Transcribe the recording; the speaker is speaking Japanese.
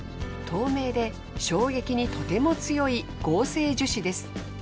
透明で衝撃にとても強い合成樹脂です。